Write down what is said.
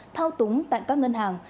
thao túng tại các ngân hàng